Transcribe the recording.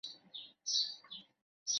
তুমি দুই সপ্তাহের মধ্যে আপিল করতে পারো।